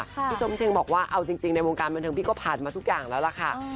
ส้มเชงบอกว่าเอาจริงในวงการบันเทิงพี่ก็ผ่านมาทุกอย่างแล้วล่ะค่ะ